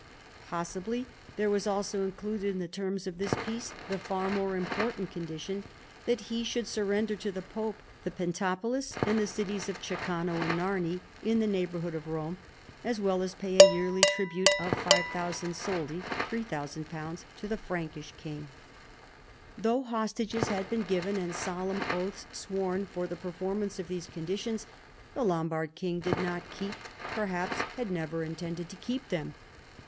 Possibly there was also included in the terms of this peace the far more important condition that he should surrender to the pope the Pentapolis and the cities of Ceccano and Narni in the neighborhood of Eome, as well as pay a yearly tribute of 5,000 soldi (£3000) to the Prankish king. PIPPIN, KING OF THE FRANKS. 99 Though hostages had been given and solemn oaths sworn for the performance of these conditions, the Lombard king did not keep, perhaps had never intended to keep them.